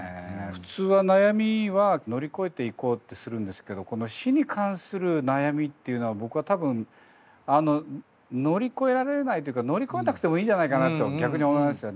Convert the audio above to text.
普通は悩みは乗り越えていこうってするんですけどこの死に関する悩みっていうのは僕は多分乗り越えられないっていうか乗り越えなくてもいいんじゃないかなと逆に思いますよね。